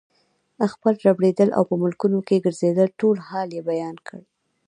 خپل ربړېدل او په ملکونو کې ګرځېدل ټول حال یې بیان کړ.